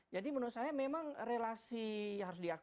jadi menurut saya memang relasi harus dianggap